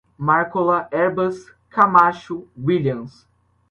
Marcola, Herbas, Camacho, Willians